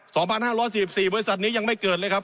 สองพันห้าร้อยสี่สิบสี่บริษัทนี้ยังไม่เกิดเลยครับ